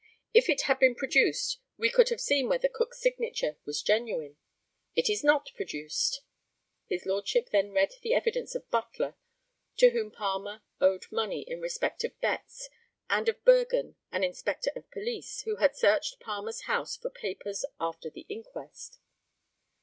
If it had been produced we could have seen whether Cook's signature was genuine. It is not produced! [His Lordship then read the evidence of Butler, to whom Palmer owed money in respect of bets; and of Bergen, an inspector of police, who had searched Palmer's house for papers after the inquest.